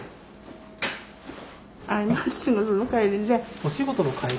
お仕事の帰り？